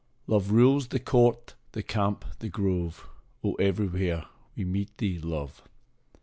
Love rules " the court, the camp, the grove " Oh, everywhere we meet thee, Love